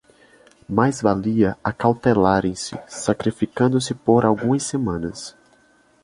Mais valia acautelarem-se, sacrificando-se por algumas semanas.